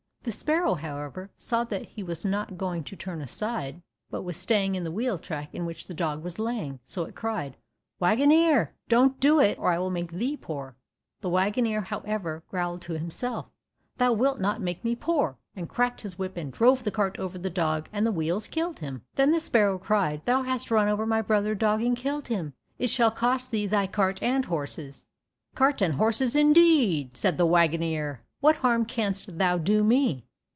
The sparrow, however, saw that he was not going to turn aside, but was staying in the wheel track in which the dog was lying, so it cried, "Waggoner, don't do it, or I will make thee poor." The waggoner, however, growled to himself, "Thou wilt not make me poor," and cracked his whip and drove the cart over the dog, and the wheels killed him. Then the sparrow cried, "Thou hast run over my brother dog and killed him, it shall cost thee thy cart and horses." "Cart and horses indeed!" said the waggoner. "What harm canst thou do me?"